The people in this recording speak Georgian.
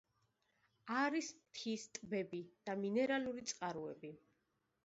არის მთის ტბები და მინერალური წყაროები.